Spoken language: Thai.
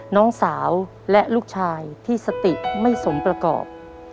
น้องสาวและลูกชายที่สติไม่สมประกอบ